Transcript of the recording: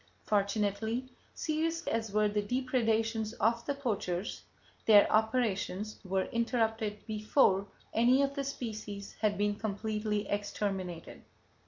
… Fortunately, serious as were the depredations of the poachers, their operations were interrupted before any of the species had been completely exterminated."